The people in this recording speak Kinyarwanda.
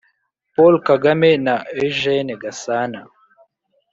Paul Kagame na Eugčne Gasana.